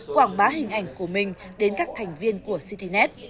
quảng bá hình ảnh của mình đến các thành viên của citynet